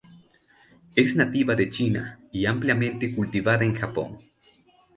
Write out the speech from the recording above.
Es nativa de China, y ampliamente cultivada en Japón.